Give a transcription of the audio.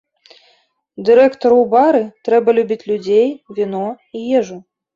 Дырэктару ў бары трэба любіць людзей, віно і ежу.